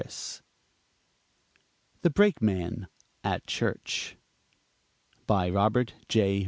] THE BRAKEMAN AT CHURCH BY ROBERT J.